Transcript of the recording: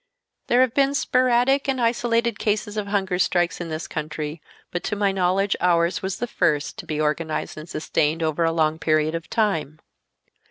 There have been sporadic and isolated cases of hunger strikes in this country but to my knowledge ours was the first to be organized and sustained over a long period of time.